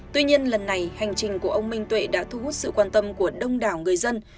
tuy nhiên lần này hành trình của ông minh tuệ đã thu hút sự quan tâm của đông đảo người dân